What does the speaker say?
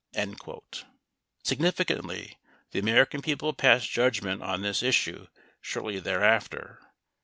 27 Significantly, the American people passed judgment on this is sue shortly thereafter.